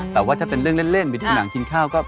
แต่ว่าถ้าเป็นเรื่องเล่นไปดูหนังกินข้าวก็